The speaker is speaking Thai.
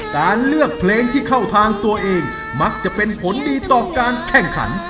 การเลือกเพลงที่เข้าทางตัวเองมักจะเป็นผลดีต่อการแข่งขัน